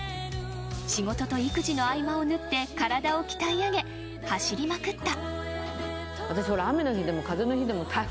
仕事と育児の合間をぬって体を鍛え上げ、走りまくった。